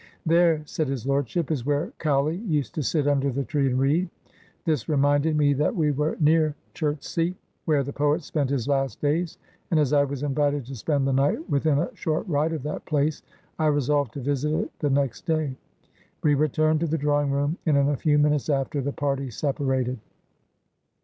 'There,' said his lordship, 'is where Cowley used to sit under the tree and read.' This reminded me that we were near Chertsey, where the poet spent his last days; and, as I was invited to spend the night within a short ride of that place, I resolved to visit it the next day. We returned to the drawing room, and in a few minutes after, the party separated."